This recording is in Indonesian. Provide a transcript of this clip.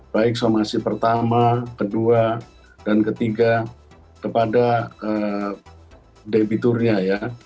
baik somasi pertama kedua dan ketiga kepada debiturnya ya